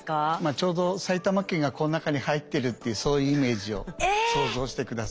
ちょうど埼玉県がこの中に入ってるっていうそういうイメージを想像して下さい。